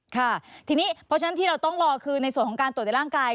ค่ะทีนี้เพราะฉะนั้นที่เราต้องรอคือในส่วนของการตรวจในร่างกาย